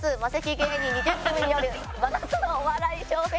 芸人２０組による真夏のお笑い笑